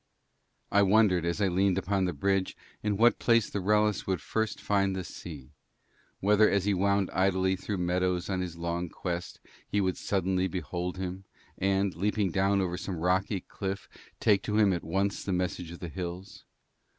I wondered as I leaned upon the bridge in what place the Wrellis would first find the sea, whether as he wound idly through meadows on his long quest he would suddenly behold him, and, leaping down over some rocky cliff, take to him at once the message of the hills.